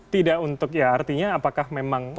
tidak untuk ya artinya apakah memang